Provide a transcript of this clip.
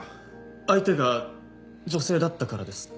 相手が女性だったからです。